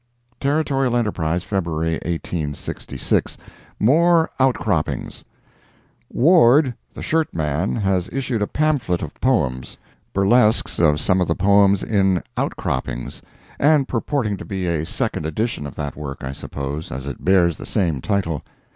Territorial Enterprise, February 1866 MORE OUTCROPPINGS Ward, the shirt man, has issued a pamphlet of poems—burlesques of some of the poems in "Outcroppings," and purporting to be a second edition of that work, I suppose, as it bears the same title.